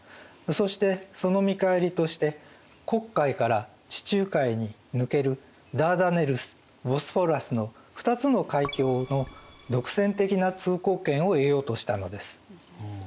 そしてその見返りとして黒海から地中海に抜けるダーダネルスボスフォラスの２つの海峡の独占的な通行権を得ようとしたのです。